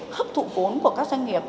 hấp thụ cuốn của các doanh nghiệp